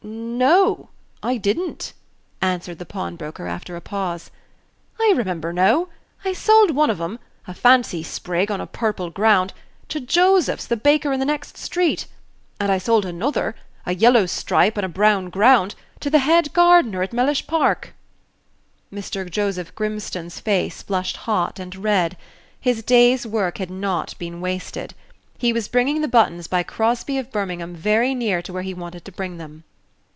"No, I did n't," answered the pawnbroker, after a pause. "I remember, now, I sold one of them a fancy sprig on a purple ground to Josephs, the baker in the next street; and I sold another a yellow stripe on a brown ground to the head gardener at Mellish Park." Mr. Joseph Grimstone's face flushed hot and red. His day's work had not been wasted. He was bringing the buttons by Crosby of Birmingham very near to where he wanted to bring them.